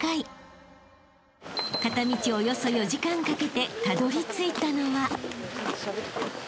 ［片道およそ４時間かけてたどりついたのは］